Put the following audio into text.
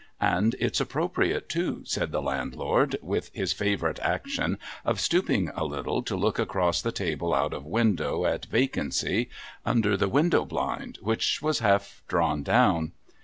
And it's appropriate too,' said the Landlord, with his favourite action of stooping a little, to look across the table out of window at vacancy, under the window blind which was half drawn down.